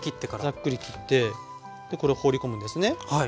ざっくり切ってこれ放り込むんですね。